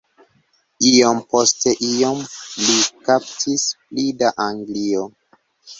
Iom post iom li kaptis pli da Anglio.